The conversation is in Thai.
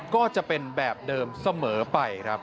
ก็จะเป็นแบบเดิมเสมอไปครับ